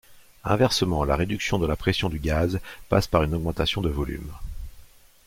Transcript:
Inversement, la réduction de la pression du gaz passe par une augmentation de volume.